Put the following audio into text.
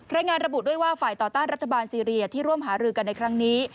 รายงานระบุด้วยว่าฝ่ายต่อต้านรัฐบาลซีเรียที่ร่วมหารือกันในครั้งนี้